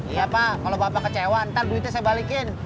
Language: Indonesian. iya pak kalau bapak kecewa ntar duitnya saya balikin